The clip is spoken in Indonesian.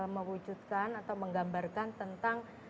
mewujudkan atau menggambarkan tentang